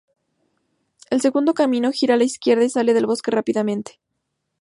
El segundo camino gira a la izquierda y sale del bosque rápidamente.